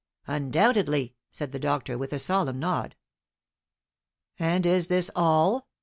"Undoubtedly," said the doctor, with a solemn nod. "And is this all?"